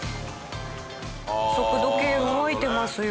速度計動いてますよ。